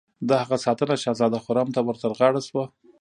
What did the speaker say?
د هغه ساتنه شهزاده خرم ته ور تر غاړه شوه.